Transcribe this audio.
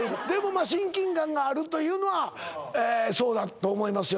まあ親近感があるというのはそうだと思いますよ